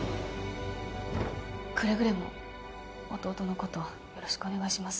くれぐれも弟のことよろしくお願いします